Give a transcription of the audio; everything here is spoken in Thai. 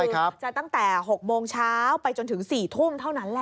คือจะตั้งแต่๖โมงเช้าไปจนถึง๔ทุ่มเท่านั้นแหละ